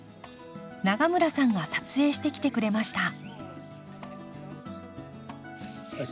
永村さんが撮影してきてくれました。